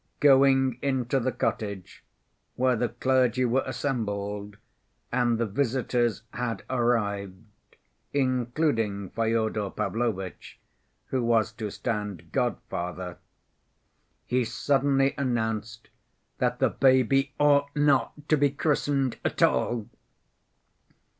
Going into the cottage where the clergy were assembled and the visitors had arrived, including Fyodor Pavlovitch, who was to stand god‐ father, he suddenly announced that the baby "ought not to be christened at all."